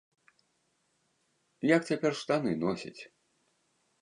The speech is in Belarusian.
Як цяпер штаны носяць?